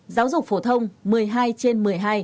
giáo dục phổ thông một mươi hai trên một mươi hai